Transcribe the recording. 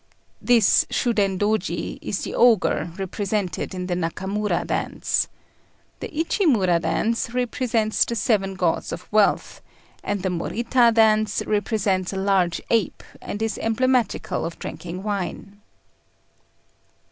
This Shudendôji is the ogre represented in the Nakamura dance. The Ichimura dance represents the seven gods of wealth; and the Morita dance represents a large ape, and is emblematical of drinking wine.